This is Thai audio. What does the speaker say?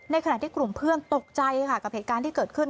ขณะที่กลุ่มเพื่อนตกใจค่ะกับเหตุการณ์ที่เกิดขึ้น